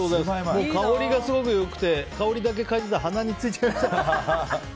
もう香りがすごく良くて香りかいでたら鼻についちゃいました。